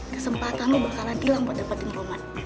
kesempatan lo bakalan hilang buat dapetin roman